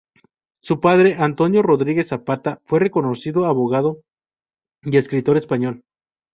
Su padre, Antonio Rodríguez Zapata fue reconocido abogado y escritor español.